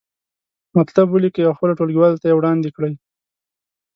مطلب ولیکئ او خپلو ټولګیوالو ته یې وړاندې کړئ.